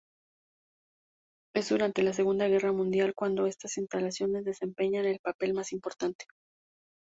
Es durante la Segunda Guerra Mundial cuando estas instalaciones desempeñan el papel más importante.